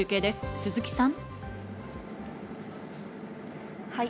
鈴木さん。